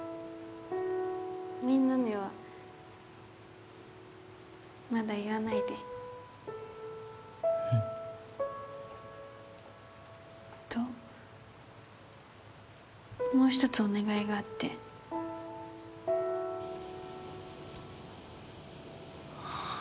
みんなにはまだ言わないでうんあともう１つお願いがあってハァ。